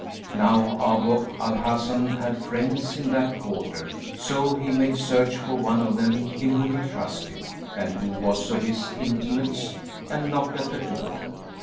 Now Abu al Hasan had friends in that quarter; so he made search for one of them, in whom he trusted, and who was of his intimates, and knocked at the door.